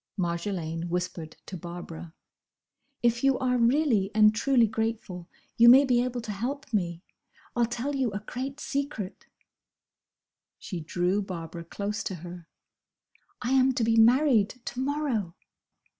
Marjolaine whispered to Barbara. "If you are really and truly grateful, you may be able to help me! I'll tell you a great secret." She drew Barbara close to her. "I am to be married to morrow!"